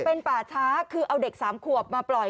เป็นป่าช้าคือเอาเด็กสามขวบมาปล่อย